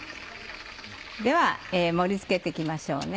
では盛り付けて行きましょうね。